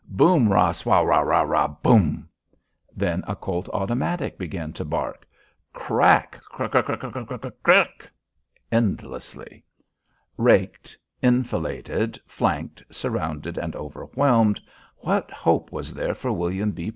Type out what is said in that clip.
"Boom ra swow ow ow ow pum." Then a Colt automatic began to bark. "Crack crk crk crk crk crk" endlessly. Raked, enfiladed, flanked, surrounded, and overwhelmed, what hope was there for William B.